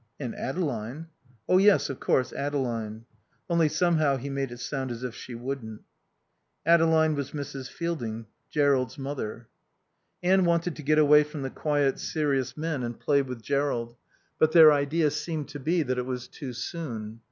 "And Adeline." "Oh yes, of course, Adeline." (Only somehow he made it sound as if she wouldn't.) Adeline was Mrs. Fielding. Jerrold's mother. Anne wanted to get away from the quiet, serious men and play with Jerrold; but their idea seemed to be that it was too soon.